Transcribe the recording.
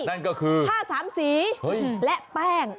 นั่นก็คือผ้าสามสีและแป้ง